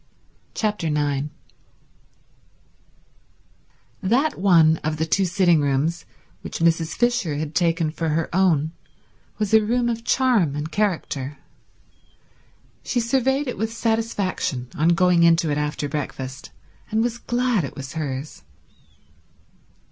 Chapter 9 That one of the two sitting rooms which Mrs. Fisher had taken for her own was a room of charm and character. She surveyed it with satisfaction on going into it after breakfast, and was glad it was hers.